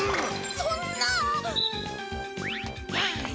そんなあ。